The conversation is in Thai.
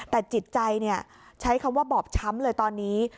แต่จิตใจใช้คำว่าบอบช้ำเลยตอนนี้